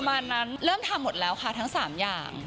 วันนั้นเริ่มทำหมดแล้วค่ะทั้ง๓อย่าง